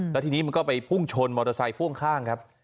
แล้วทีนี้มันก็ไปพุ่งชนมอเตอร์ไซค์พ่วงข้างครับ